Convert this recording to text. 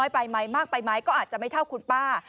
ไปไหมมากไปไหมก็อาจจะไม่เท่าคุณป้า